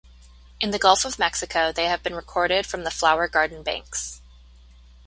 In the Gulf of Mexico they have been recorded from the Flower Garden Banks.